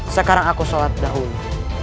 sekarang aku sholat dahulu